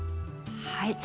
はい。